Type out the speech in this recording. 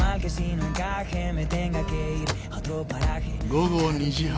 午後２時半。